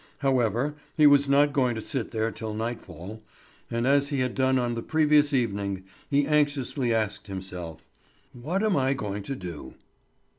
However, he was not going to sit there till nightfall; and as he had done on the previous evening, he anxiously asked himself: "What am I going to do?"